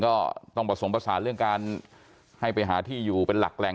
ก็ต้องประสงค์ประสานเรื่องการให้ไปหาที่อยู่เป็นหลักแหล่ง